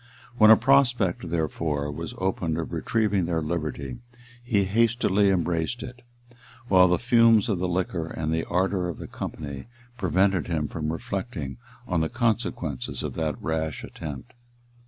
When a prospect, therefore, was opened of retrieving their liberty, he hastily embraced it; while the fumes of the liquor and the ardor of the company prevented him from reflecting on the consequences of that rash attempt.